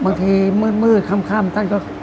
บางทีมืดค่ำท่านก็